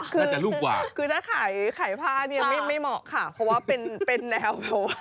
ขายผ้าดีกว่าคือถ้าขายผ้านี่ไม่เหมาะค่ะเพราะว่าเป็นแนว